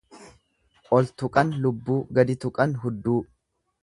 Ol tuqan lubbuu gadi tuqan hudduu.